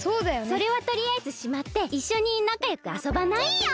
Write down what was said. それはとりあえずしまっていっしょになかよくあそばない？いいよ。